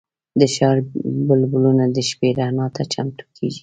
د ښار بلبونه د شپې رڼا ته چمتو کېږي.